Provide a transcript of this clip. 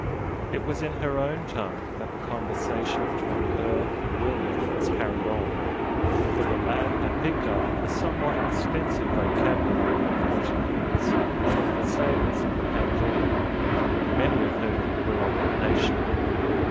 It was in her own tongue that the conversation between her and William was carried on: for the lad had picked up a somewhat extensive vocabulary of Portuguese among the sailors of the Pandora many of whom were of that nation.